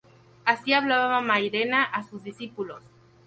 Así hablaba Mairena a sus discípulos.